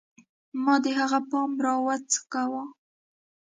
ما د هغه پام راوڅکاوه